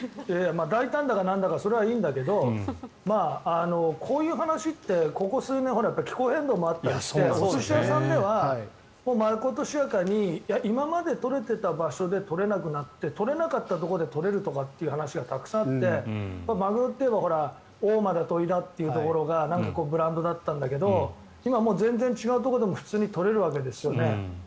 大胆だかなんだかそれはいいんだけどこういう話ってここ数年気候変動もあったりしてお寿司屋さんではまことしやかに今まで取れていた場所で取れなくなって取れなかったところで取れるとかって話がたくさんあってマグロといえば大間がブランドだったんだけど今は全然違うところでも普通に取れるわけですよね。